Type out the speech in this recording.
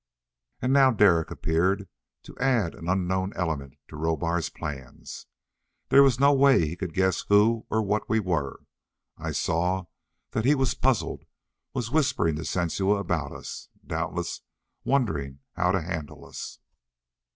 And now Derek appeared, to add an unknown element to Rohbar's plans. There was no way he could guess who or what we were. I saw that he was puzzled, was whispering to Sensua about us, doubtless wondering how to handle us.